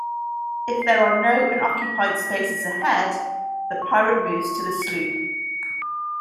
If there are no unoccupied spaces ahead, the pirate moves to the sloop.